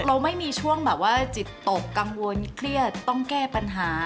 เราไม่มีช่วงแบบว่าจิตตกกังวลเครียดต้องแก้ปัญหา